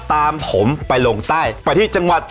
ตามผมไปลงใต้ไปที่จังหวัด